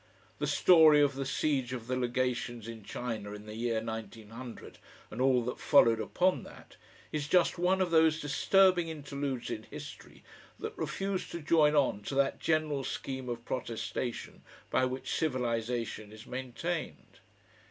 The story of the siege of the Legations in China in the year 1900 and all that followed upon that, is just one of those disturbing interludes in history that refuse to join on to that general scheme of protestation by which civilisation is maintained.